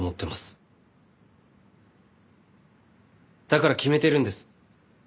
だから決めてるんです。